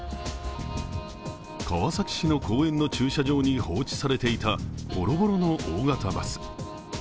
川崎市の公園の駐車場に放置されていたぼろぼろの大型バス。